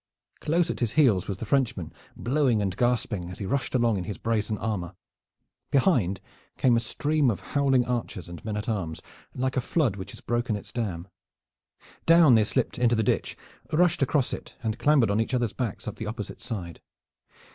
Close at his heels was the Frenchman, blowing and gasping, as he rushed along in his brazen armor. Behind came a stream of howling archers and men at arms, like a flood which has broken its dam. Down they slipped into the ditch, rushed across it, and clambered on each other's backs up the opposite side.